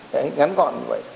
đấy ngắn gọn như vậy